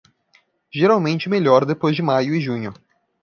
Geralmente melhor depois de maio e junho.